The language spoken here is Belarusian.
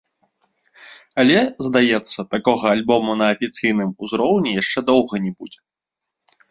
Але, здаецца, такога альбому на афіцыйным узроўні яшчэ доўга не будзе.